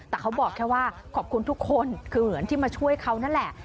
แต่เขาบอกแค่ว่าขอบคุณทุกคนคือเหมือนที่มาช่วยเขานั่นแหละ